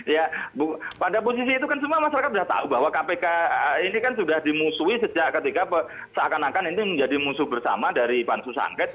ya pada posisi itu kan semua masyarakat sudah tahu bahwa kpk ini kan sudah dimusuhi sejak ketika seakan akan ini menjadi musuh bersama dari pansus angket